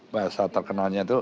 bahasa terkenalnya itu